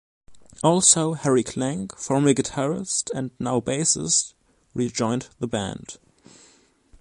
Also, Harry Klenk, former guitarist and now bassist, re-joined the band.